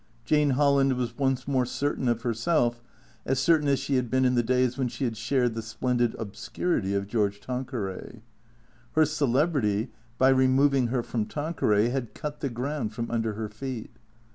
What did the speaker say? Jane Holland was once more certain of herself, as certain as she had been in the days when she had shared the splendid obscurity of George Tanqueray. Her celebrity, by removing her from Tanqueray, had cut the ground from under her feet.